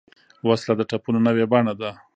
وسله د ټپونو نوې بڼه ده